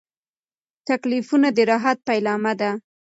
تکلیفونه د راحت پیلامه ده.